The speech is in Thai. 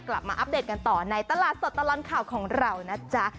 มาอัปเดตกันต่อในตลาดสดตลอดข่าวของเรานะจ๊ะ